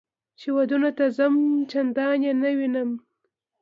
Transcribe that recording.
چې ودونو ته ځم چندان یې نه وینم.